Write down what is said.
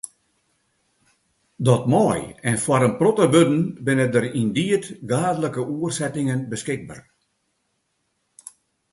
Dat mei, en foar in protte wurden binne der yndied gaadlike oersettingen beskikber.